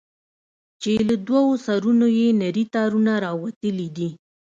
چې له دوو سرونو يې نري تارونه راوتلي دي.